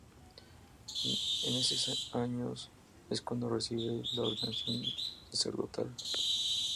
En eses años es cuando recibe la ordenación sacerdotal.